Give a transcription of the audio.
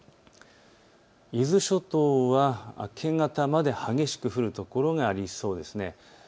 伊豆諸島は明け方まで激しく降る所がありそうです。